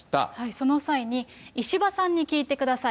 その際に、石破さんに聞いてください。